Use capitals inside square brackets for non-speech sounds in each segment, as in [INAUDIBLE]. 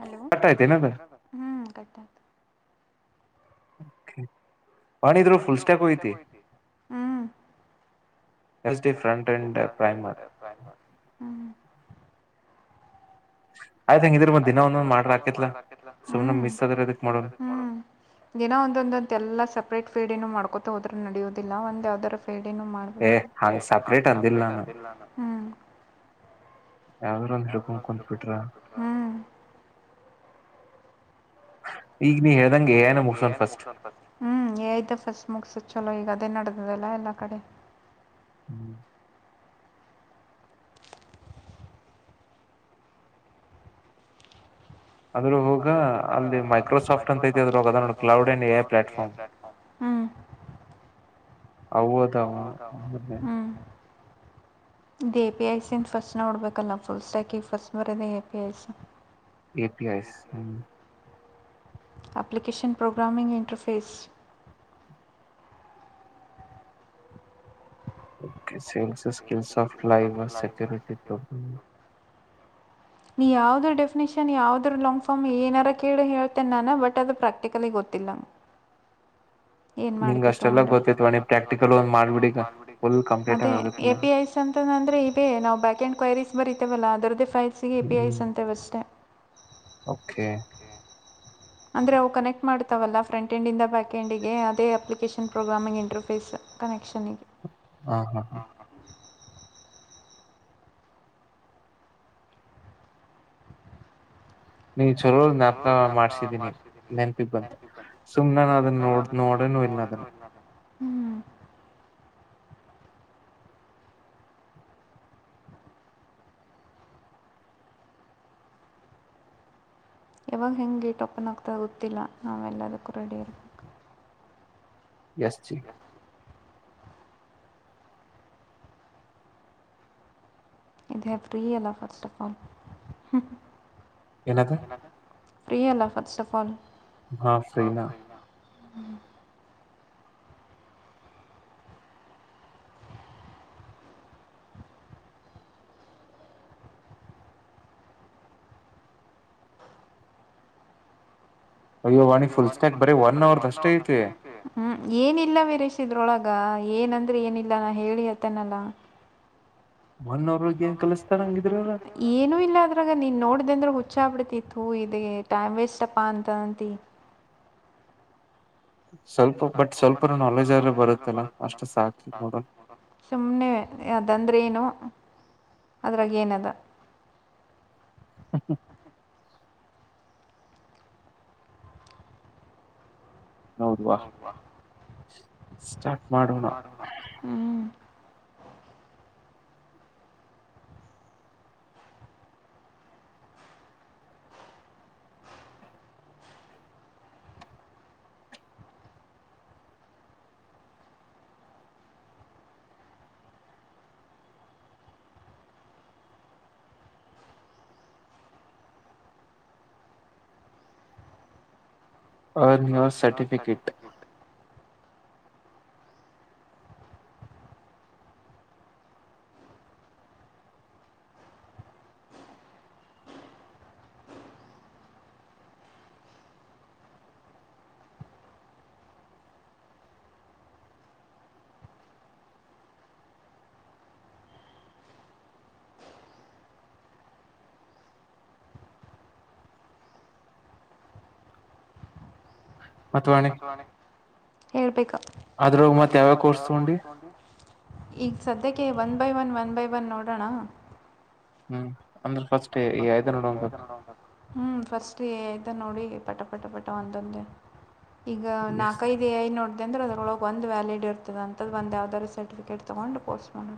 Hello [UNINTELLIGIBLE] ಹ್ಮ್ cut ಆಯ್ತು okay. [UNINTELLIGIBLE] ಹ್ಮ್ [UNINTELLIGIBLE] ಹ್ಮ್ [INAUDIBLE] [UNINTELLIGIBLE] ಹ್ಮ್ [UNINTELLIGIBLE] ಹ್ಮ್ ಹ್ಮ್ ದಿನ ಒಂದಂದ ಎಲ್ಲ ಸಪ್ರೇಟ್ ಫೀಡ್ ಮಾಡ. ಹೋದ್ರರು ನಡೆಯುವುದಿಲ್ಲ ಒಂದು ಯಾವದರ ಮಾಡ್ಬೇಕು ಹೇ ಹಂಗ್ ಸಪ್ರೇಟ್ ಅಂದಿಲ್ಲ ನಾನು ಹ್ಮ್ ಯಾವ್ದ್ರ ಒಂದ್ ಹಿಡ್ಕೊಂಡು ಕುಂತಿಬಿಟ್ರಾ [INAUDIBLE] ಈ ಹ್ಮ್ದ ಫಸ್ಟ್ ಮುಗ ಚಲೋ ಈ [INAUDIBLE] ಅದೇ ನಡೆದದಲ್ಲ ಎಲ್ಲಾ ಕಡೆ ಹ್ಮ್ ಆದದ್ರ ಹೋಗ ಅಲ್ಲಿ ಮೈಕ್ರೋಸಾಫ್ಟ್ ಅಂತ ಐತಿ ಅದ್ರ ಅದ ನೋ ಕ್ಲೌಡ್ ಅಂಡ್ ಎ ಪ್ಲಾಟ್ಫಾರ್ಮ್ ಅದ ಇದು ಎ ಪಿ ಐಸಂದು ಫಸ್ಟ್ ನೋಡ್ಬೇಕಲ್ಲ ಫುಲ್ ಸ್ಟ್ಯಾಕಿಗೆ ಫಸ್ಟ್ ಬರೋದು ಎ ಪಿ ಐಸ್ ಹ ಅಪ್ಲಿಕೇಶನ್ ಪ್ರೋಗ್ರಾಮಿಂಗ್ ಇಂಟರ್ಫೇಸ್ ೆ ಸ್ಲ್ಸ್ ಸ್ಕಿಲ್ಸ್ ಸಫ್ಟ್ ಲೈ ಸೆಕ್ಯೂರಿಟಿ ಪ್ರಬ್ಲ ನೀ ಯಾವ್ದ್ರ ಡೆಫಿನಿಷನ್ ಯಾವ್ದ್ರ ಲಾಂಗ್ ಫಾರ್ಮ್ ಏನಾರ ಕೇಳಿ ಹೇಳ್ತೇನೆ ನಾನ ಬಟ್ ಅದು ಪ್ರಾಕ್ಟಿಕಲಿ ಗೊತ್ತಿಲ್ಲ ಏನ್ ಮಾಡ್್ರೆ ಬ್ ಮರಿ ತ ಬಲ ಅದ್ರದೆ ಫೈ್ ಸಿಿಗೆ ಎ ಪಿ ಐಸ್ ಅಂತ ವವ ಅಷ್ಟೆ ಓಕೆ ಅಂದರೆ ಅವು ಕನೆಕ್ಟ್ ಮಾಡ್ತಾವಲ್ಲ ಫ್ರಂಟ್ ಎಂಡಿಂದ ಬ್ಯಾಕೆಂಡಿಗೆ ಅದೇ ಅಪ್ಲಿಕೇಶನ್ ಪ್ರೋಗ್ರಾಮಿಂಗ್ ಇಂಟರ್ಫೇಸ್ ಕನೆಕ್ಷನಿಗೆ ಹಾ ಹಾ ನೀನ್ ಚಲೋ ನತ ಮಾಡ್ಸಿದೀನಿ ನೆಂಪಿ ಬನ್ನ ಸುಮ್ನೆ ನಾನು ಅದನ್ನ ನೋ ನೋಡ [INAUDIBLE] ಯಾವಾಗ ಹೆಂಗೆ ಈಟ್ ಓಪನ್ ಆಗ್ತಾ ಗೊತ್ತಿಲ್ಲ ನಾವೆಲ್ಲದಕ್ಕೂ ರೆಡಿ ಇರ್ಬೇಕು ಎಸ್ ಜಿ ಇದೆೇ ಫ್ರೀ ಅಲ್ಲ ಫಸ್ಟ್ ಆಫ್ ಆಲ್ [INAUDIBLE] ಫ್ರೀ ಅಲ್ಲಫ ಫನ್ ಹಾ ಸೈನಾ ಹ್ಮ್ ಏನಿಲ್ಲ ವೀರೇಶ್ ಇದ್ರೊಳಗೆ ಆಗ ಏನಂದ್ರೆ ಏನಿಲ್ಲ ನಾ ಹೇಳಿ ಅತನಲ್ಲ ಏನು ಇಲ್ಲ ಅದ್ರಾಗ ನೀನ್ ನೋಡ್ದ ಅಂದ್ರ ಹುಚ್ಚ ಆಗ್ಬಿಡ್ತೀಿ ಹೂ ಇ ಟೈಮ್ ವೇಸ್ಟ್ಪ್ಪ ಅಂತಂತ ಸ್ವಲ್ಪ ಸ್ವಲ್ಪಾಲಜ ಬರುತ್ತ ಸುಮ್ನೆ ಅದಂದ್ರೆ ಏನು ಅದ್ರಾಗ ಏನದ ಹಾ ಹ [INAUDIBLE] ಹೌದವಾ ಸ್ಟಾರ್ಟ್ ಮಾಡಾರ ಹ್ಮ ಅರ್ನಿಂಗ ಯ ಸರ್ಟಿಫಿಕೇಟ್ ಮತ್ತವಣ ಹೇಳ್ಬೇಕಾ ಅದ್ರ ಮಾವೋಸ್ತ ಈಗ ಸದ ಅದಕ್ಕೆ one by one one by one ನೋಡೋಣ ಹ್ಮ್ ಅಂದ್ರೆ ಫಸ್ಟ್್ತ ಹ್ಮ ಫಸ್ಟ್ ಇ ನೋಡಿ ಪಟ ಪಟ ಪಟ ಒಂದೊಂದೇ ಈಗ ನಾಲ್ಕೈದು ಐ ನೋಡ ಅಂದ್ರೆ ಅ್ರಳ ಒಂದ ವ್ಯಾಲಿಡ್ ಇರ್ತದ ಅಂತದ ಬಂದ ಯಾವದ್ ಸರ್ಿಫಿಕೇಟ್ ತೊಗೊಂಡು ಪೋಸ್ಟ್ ಮಾಡಣ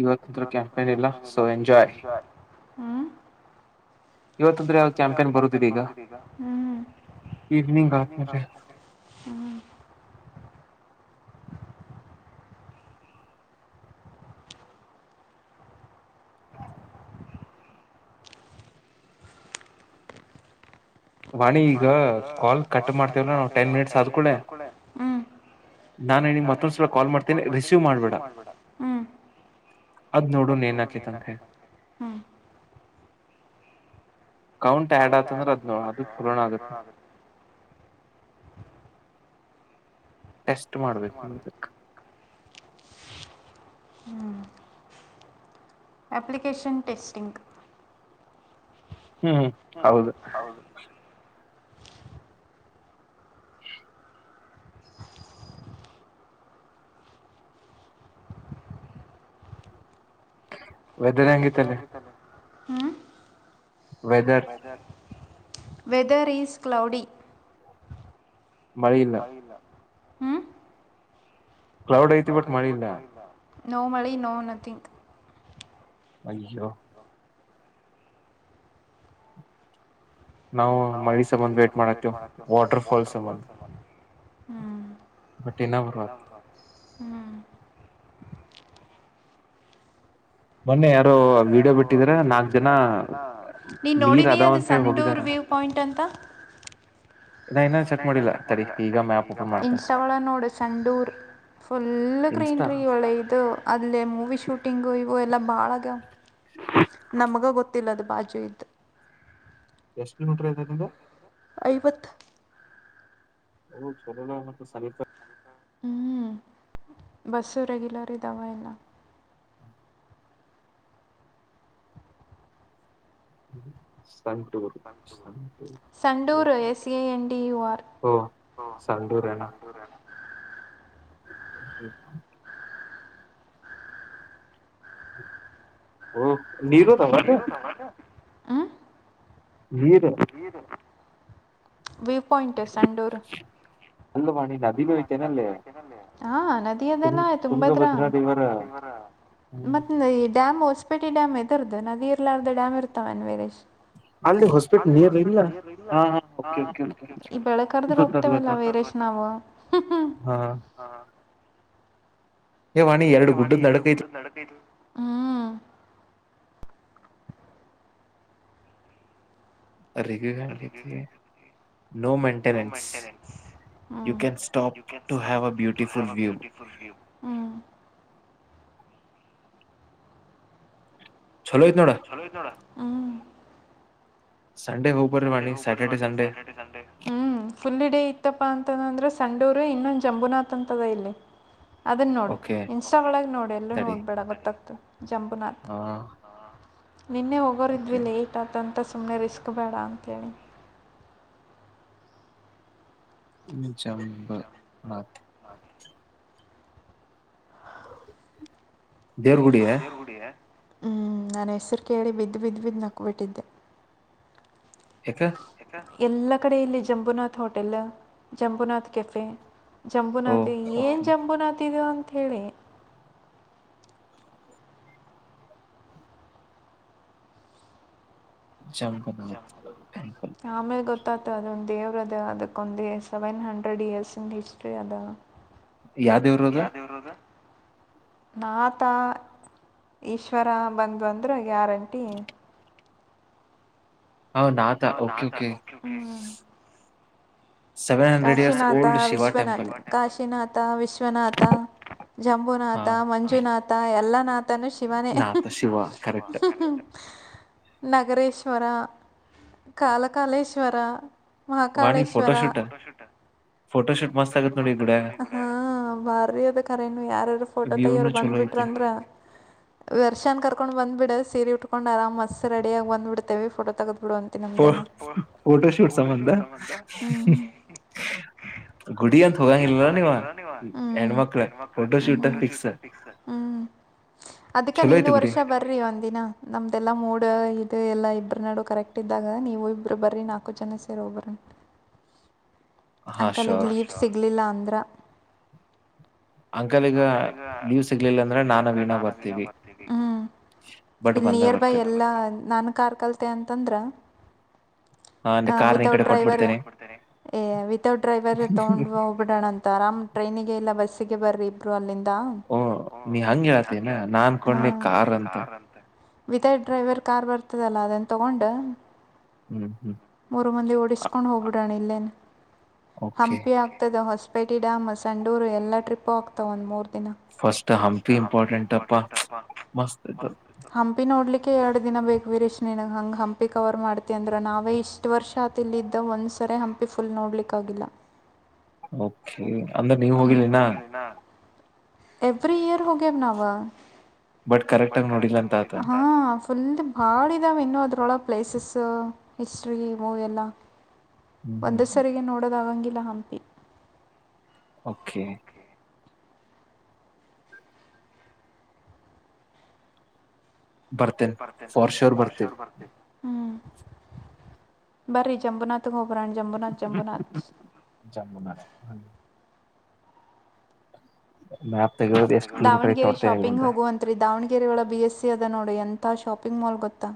ಇವತ್ತತ್ರಕ್ಕೆ ಸರಿಲ್ಲ ಸೊ ಎಜಾಯ್ ಇವತ್ತು ್ರ ಕ್ಯಾಂಪೇನ್ ಬರುದಿದೆ ಈಗ ಈವನಿಂಗ್ ಆಗ್ತ ಮಾಡಿ ಈಗ ಕಾಲ್ ಕಟ್ ಮಾಡ್ತೇವ್ರ ಟೆನ್ ಮಿನಿಟ್ಸ್ ಅ್ಕೊಳೆ ನಾನ ಮತ್ತೊಂದಸಲ ಕಾಲ್ ಮಾಡ್ತೇನಿ ರಿಸೀವ್ ಮಾಡಬೇಡ ಅದ್ ನೋಡು ನ್ ಅ ಕೌಂಟ್ ಆಡ್ ಆತಂದ್ರೆ ಅದ್ ನೋಡ ಅದು ಚಲೋಣ ಆಗತ್ತ. ಅಷ್ಟ. ಇಷ್ಟ ಮಾಡ್ಬೇಕು ಅದಕ್. Application testing. ಹ್ಮ್್ಮ ಹೌದು. ವೆದರ್ ಹೆಂಗತ್ತಲ್ಲ. ವೆದರ್. Weather is cloudy. ಬಳ ಇಲ್ಲ. ಕ್ಲೌಡ್ ಐತಿ ಬಟ್ ಮಿಲ್ಲ. ನೋ ಮಳ ನೋ ನಥಿಂಗ್. ಅಯೋ. ನಾವು ಮಸ. ಮಳಿ ಸೆಮಬ್ರೇಟ್ ಮಾಡಕ್ಕೆು ವಾಟರ್ ಫಾಲ್ಸ ಮಾಡ ಹ್ಮ್ ಬಟ್ ನ ಬರ್ರುವ ಹ್ಮ್ ಬನ್ನಿ ಯಾರುಡಿಯ ಬಿಟ್ಟ ನಾ ಜನ ನೀನ್ ನೋಡಿದಿ ಅದು ಸಂದೂರ್ ವ್ಯೂ ಪಾಯಿಂಟ್ ಅಂತ ಇನ್ಸ ಒಳ ನೋಡು ಸಂಡೂರ್ ಫುಲ್ ಗ್ರೀನರಿ ಒಳ್ಳೆ ಇದು ಅಲ್ಲಿೇ ಮೂವಿ ಶೂಟಿಂಗು ಇ ಎಲ್ಲ ಬಾಳಗ ನಮ್ಗ ಗೊತ್ತ ತಿಿನದ ಬಾಜು ಇ್ದ ಎಷ್ಟ್ ಕಿಲೋಮೀಟರ್ ಐತ ನಿಮ ಐವತ್ತು ಓ ಚೊಲಲ್ಲ ಅ ಸ ಹ್ಮ್ ಬಸ್ಸು ರೆಗ್ಯುಲರ್ ಇದ್ದಾವೆ ಎಲ್ಲ ಸಂಟು ಗ Sandur S N D U R ಸ [INAUDIBLE] ಹ ನೀರು ತವಾಟ ಹಾಂ ಬತ ವ್ಯೂ ಪಾಯಿಂಟ್ ಸಂಡೂರು ಹ ನದಿಯದೆಲ್ಲ ತುದ್ರ ಮ ಡ್ಯಾಮ್ ಪಪೇಟ ಡ್ಯ್ ಇದದ ನದ ಇರ್ಲಾರ್ದ ಡ್ಯಾಮ್ ಇರ್ಾವವನ್ ವೇರೇಶ್ ಈ ಬೆಳಕರ್ದ್ರ ಹೋಗ್ತೇವಲ್ಲ ವೀರೇಶ್ ನಾವು ಹಾ ವಾಣಿ ಎರಡು ಗುಡ್ಡ ನಡಕೈತು ೋ ಯ ಸ್ಟಟ ಬ್ಯಟಫು ಚಛಲೋ ಐತ್ ನಡಾ ಹ್ಮ ಸಂಡೆ ಹೋಗ್ಬ್ರೀ ಮಾಡಿ ಸ್ಯಾಟರ್ಡೆ ಸಂಡೆ ಹ್ಮಫು ಇತ್ತಪ್ಪ ಅಂತಂದ್ರೆ ಸಂಡೂರು ಇನ್ನೊಂದು ಜಂಬುನಾಥ್ ಅಂತದ ಇಲ್ಲಿ ಅದನ್ನ ನೋಡಿ ಇನ್ಸ್ಟಾಗಳಗೆ ನೋಡಿ ಎಲ್ಲೂ ನೋಡಬೇಡ ಗೊತ್ತಾಗ್ತು ಜಂಬುನಾಥ ನಿನ್ನೆ ಹೋಗೋರಿದ್ವಿ ಲೇಟ್ ಆತಂತ ನೆ ರಿಸ್ಕ್ ಬೇಡ ಅಂತಂತೇಳಿ ್ಮ ಜ ಬ ದೇವ್ರಗುಡಿಯ ಹ್ಞ ನಾನು ಹೆಸರು ಕೇಳಿ ಬಿದ್ದು ಬಿದ್ದು ಬಿದ್ದು ನಕ್ಬಿಟ್ಟಿದ್ದೆ ಹ [UNINTELLIGIBLE] ಎಲ್ಲ ಕಡೆ ಇಲ್ಲಿ ಜಂಬುನಾಥ್ ಹೋಟೆಲ್ ಜಂಬುನಾಥ್ ಕೆಫೆ ಜಂಬುನಾತಿ ಏನ್ ಜಂಬುನಾಥ [UNINTELLIGIBLE] ಅಂತ ಹೇಳಿ [UNINTELLIGIBLE] ಗತ್ತತ ಅದೊಂದು ದೇವ್ರದ ಅದಕ್ಕೊಂದ seven hundred years in history ಅದ ಯಾವ್ದೇವರುದು ನತ ಈಶ್ವರ ಬಂದು ಅಂದ್ರೆ ಗ್ಯಾರಂಟಿ ಹೌದ ಆತ [UNINTELLIGIBLE] ಕಾಶಿನಾಥ ವಿಶ್ವನಾಥ್ ಕಾಶಿನಾಥ ವಿಶ್ವನಾಥ ಜಂಬುನಾಥ ಮಂಜುನಾಥ ಎಲ್ಲ ತಾನು ಶಿವನೇ ನಗರೇಶ್ವರ ಕಾಲಕಾಲೇಶ್ವರ ಮಹಾಕಾಳೇಶ್ವರ ಹ ಬಾರಿ ಅದ ಕರೇನು ಯಾರಾರ ಫೋಟೋ ತಗಯೋರು ಬಂದ್ಬಿಟ್ರ ಅಂದ್ರ ವರ್ಷನ್ ಕರ್ಕೊಂಡ್ ಬಂದ್ಬಿಡ ಸೀರಿ ಉಟ್ಕೊಂಡು ಆರಾಮ ಮಸ್ತ್ ರೆಡಿಯಾಗಿ ಬಂದ್ ಬಿಡ್ತೇವಿ ಫೋಟೋತಗೋ ಫೋಟೋ ಶೂಟ್ ಸಂಬಂಧ [INAUDIBLE] [UNINTELLIGIBLE] ಅದ ನೀನು ವರ್ಷ ಬರಿ ಒಂದಿನ ನಮ್ದಲ್ಲ ಮೂಡ್ ಇದೆ ಲ್ಲ ಇಬ್ಬ್ರ ನಡು ಕರೆಕ್ಟ್ ಇದ್ದಾಗ ನೀವು ಇಬ್ರು ಬರ್ರ ನಲ್ಕು ಜನ ಸೇರ ಒಬ್ರ ಹಾ ಶೋರ್ [INAUDIBLE] ನಿಯರ್ ಬೈ ಎಲ್ಲಾ ನಾನ ಕಾರ್ ಕಲ್ತೆ ಅಂತಂದ್ರ ಹ ವಿಥೌಟ್ ಡ್ರೈವರ್ ವಿಥೌಟ್ ಡ್ರೈವರ್ ತಗೊಂಡ್ ಒಬ್ಬಿಡೋಣ ಅಂತ ಆರಾಮ್ ಟ್ರೈನಿಗೆ ಇಲ್ಲ ಬಸ್ಸಿಗೆ ಬರ್ರಿ ರಲ್ಲಿ ದ [UNINTELLIGIBLE] ಹ ನೀ ಹಂಗ ಹೇಳತನಾ ನ ಅನ್ಕೊಂಡಿ ಕಾರ್ ಅಂತ ವಿಥೌಟ್ ಡ್ರೈವರ್ ಕಾರ್ ಬರ್ತದಲ್ಲ ಅದನ್ನು ತಗೊಂಡು ಮೂರು ಮಂದಿ ಓಡಿಸ್ಕೊಂಡು ಹೋಗ್ಬಿಡೋಣ ಇಲ್ಲೆ ಹ [UNINTELLIGIBLE] ಹಂಪಿ ಆಗ್ತದ ಹೊಸ ಪೇಟೆ ಡಾಮ ಸಂಡೂರು ಎಲ್ಲ ಟ್ರಿಪ್ಪು ಆಗ್ತಾವ ಒಂದ್ ಮೂರು ನ [INAUDIBLE] ದಿನ ಬೇಕು ವೀರೀಶ್ ನಿನಗ್ ಹಂಗ ಹಂಪಿ ಕವರ್ ಮಾಡ್ತಿ ಅಂದ್ರ ನಾವೇ ಇಷ್ಟ್ ವರ್ಷ ಆತಿ ಇಲ್ಲಿ ಇದ್ದ ಒಂದ್ಸರಿ ಹಂಪಿ ಫುಲ್ ನೋಡ್ಲಿಕ್ಕಾಗಿಲ್ಲ ಓಕೆ ಅಂದ್ರೆ ನೀವ ಹೋಗಿಲ್ಲಿನ ಎವರಿ ಇಯರ್ ಹೋಗ ನಾವ ಹ ಫುಲ್ ಬಾಳ ಇದಾವ ಇನ್ನು ಅದ್ರೊಳಗ ಪ್ಲೇಸಸ್ಸು ಹಿಸ್ಟ್ರಿ ಮೂವಿ ಎಲ್ಲಾ ಒಂದ ಸರಿಗೆ ನೋಡೋದ ಆಗಂಗಿಲ್ಲ ಹಂಪಿ ಓಕೆ ಬರ್ತೆೇನೆ ವರ್ಷ ಅವರ್ ಬರ್ತೆೇನಿ ಬರಿ ಜಂಬುನಾ ತುಗ ಪರಾಣಿ ಜಮಭುನಾಥ, ಜಂಭುನಾಥ [INAUDIBLE] ದಾವಣಗೆರೆ ಶಾಪಿಂಗ್ ಹೋಗುವ ಅಂತತ್ರಿ ದಾವಣಗೆರೆ ಕೆರೆಗಳ ಬಿ ಎಸ್ ಸಿ ಅದ ನೋಡಿ ಎಂತಾ ಶಾಪಿಂಗ್ ಮಾಲ್ ಗೊತ್ತಾ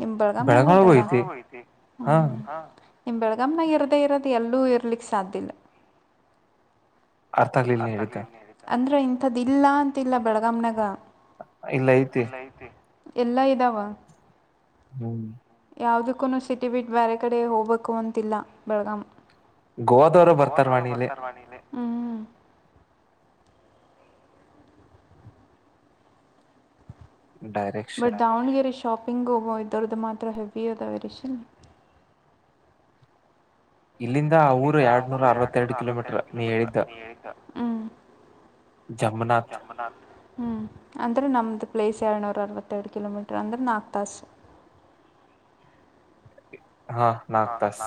ನಿಮ್ ಬೆಳಗಾಮನಾಗಲ್ಲ [UNINTELLIGIBLE] ನಿಮ್ ಬೆಳಗಮ್ನಾಗ ಇರದೆೇ ಇರದ ಎಲ್ಲೂ ಇರ್ಲಿಕ್ ಸಾಧ್ಯಿಲ್ಲ ಅರ್ಥ ಆಗ್ಲಿಲ್ಲ ಹೇಳಿದ್ದ ಅಂದರೆ ಇಂಥದ್ದಿಲ್ಲ ಅಂತಿಲ್ಲ ಬೆಳಗಾಂನ್ಯಾಗ ಇಲ್ಲಿ ಐತಿ ಎಲ್ಲ ಇದಾವ ಹ್ಮ್ ಯಾವುದಕ್ಕೂ ಸಿಟಿ ಬಿಟ್ಟು ಬೇರೆ ಕಡೆ ಹೋಗ್ಬೇಕು ಅಂತಿಲ್ಲ ಬೆಳಗಾಂ ಗೋವಾದವರು ಬರ್ತಾರ ವಾಣಿ ಲಿ ಹ್ಮ ಬಟ್ ದಾವಣಗೆರಿ ಶಾಪಿಂಗ್ ಹೋಗೋ ಇದವರದ್ದು ಮಾತ್ರ ಹೆವಿ ಅದ ವೆ ರಿಸನ್ ಇಲ್ಲಿಂದ ಊರು ಎರಡು ನೂರ ಅರವತ್ತೆರಡು ಕಿಲೋಮೀಟರ್ ನೀ ಹೇಳಿದ್ದ ಹೂ ಜಮ್ಮುನಾಥ ಅಂದ್ರೆ ನಮ್ ಪ್ಲೇಸ್ ಎರಡು ನೂರ ಅರವತ್ತೆರಡು ಎರಡು ಕಿಲೋಮೀಟರ್ ಅಂದ್ರೆ ನಾಕ್ ತಾಸ್ ಹಾ ನಾಕ ತಾಸ